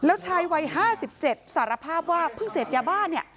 แล้วชายวัย๕๗สารภาพว่าเพิ่งเสพยาบ้าเนี่ย